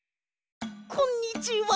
こんにちは。